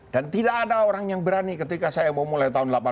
dan tidak ada orang yang berani ketika saya mau mulai tahun delapan puluh empat